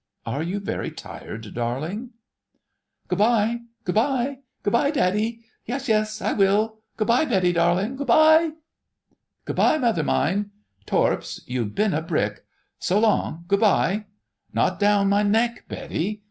Are you very tired, darling...?" "Good bye—Good bye! Good bye, Daddie.... Yes, yes.... I will.... Good bye, Betty darling.... Good bye——" "Good bye, Mother mine.... Torps, you've been a brick..... So long! Good bye! ... Not down my neck, Betty!